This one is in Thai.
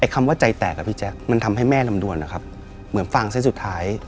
คำว่าใจแตกอะพี่แจ๊คมันทำให้แม่ลำดวนนะครับเหมือนฟังเส้นสุดท้าย